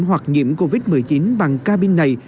hoặc nhiễm covid một mươi chín bằng cabin này